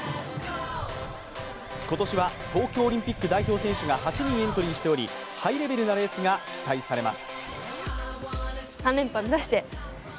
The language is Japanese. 今年は東京オリンピック代表選手が８人エントリーしており、ハイレベルなレースが期待されます。